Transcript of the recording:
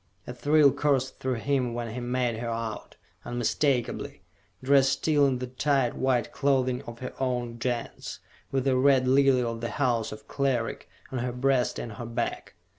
A thrill coursed through him when he made her out, unmistakably dressed still in the tight white clothing of her own Gens, with the Red Lily of the house of Cleric on her breast and on her back!